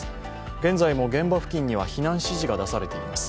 現在も現場付近には避難指示が出されています。